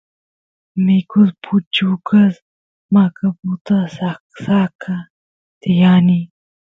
mikus puchukas maqaputa saksaqa tiyani